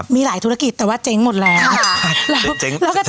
มีหลายธุรกิจแต่ว่าเจ๊งหมดแล้ว